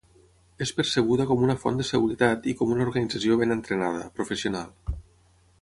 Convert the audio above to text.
És percebuda com una font de seguretat i com una organització ben entrenada, professional.